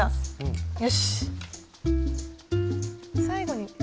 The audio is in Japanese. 最後に。